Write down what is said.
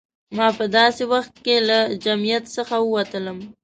ما په داسې وخت کې له جمعیت څخه ووتلم.